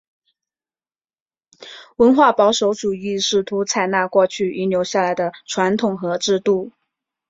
文化保守主义试图采纳过去遗留下来的传统和制度。